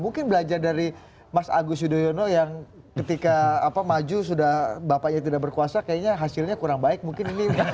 mungkin belajar dari mas agus yudhoyono yang ketika maju sudah bapaknya tidak berkuasa kayaknya hasilnya kurang baik mungkin ini